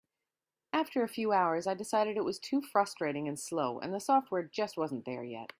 After a few hours I decided it was too frustrating and slow, and the software just wasn't there yet.